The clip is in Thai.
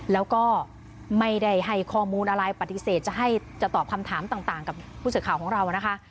แล้วก็ไม่ได้ให้ข้อมูลอะไรปฏิเสธจะตอบคำถามต่างกับผู้สื่อข่าวของเรานะคะ